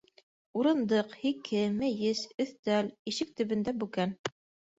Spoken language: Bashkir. Урындыҡ, һике, мейес, өҫтәл, ишек төбөндә - бүкән.